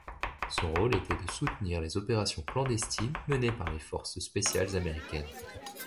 Son rôle était de soutenir les opérations clandestines menées par les forces spéciales américaines.